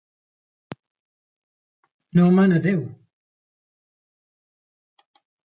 No mane Déu!